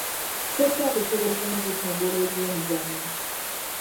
SSettendekero ezimu zitumbula ebyemizanyo.